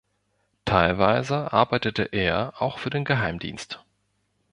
Teilweise arbeitete er auch für den Geheimdienst.